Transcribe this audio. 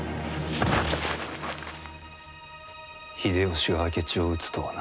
秀吉が明智を討つとはな。